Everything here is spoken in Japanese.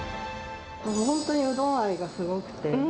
本当にうどん愛がすごくて。